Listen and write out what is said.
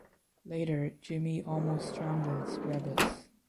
Later Jimmy almost strangles Rebus.